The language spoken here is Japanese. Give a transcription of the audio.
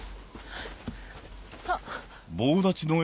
あっ。